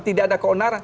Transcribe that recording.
tidak ada keonaran